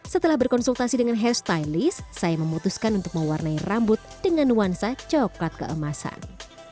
setelah berkonsultasi dengan hairstylist saya memutuskan untuk mewarnai rambut dengan nuansa coklat keemasan